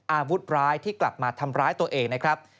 อาวุธร้ายที่กลับมาทำร้ายตัวเองนะครับ